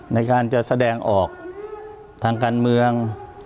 ในการจะแสดงออกทางการเมือง